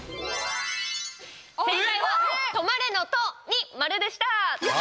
正解は「とまれ」の「と」に丸でした。